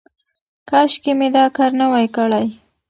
کاشکې مې دا کار نه وای کړی.